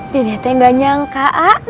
dede teh gak nyangka